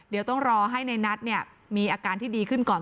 เดี๋ยวต้องรอให้ในนัทมีอาการที่ดีขึ้นก่อน